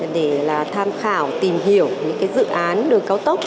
để tham khảo tìm hiểu những dự án đường cao tốc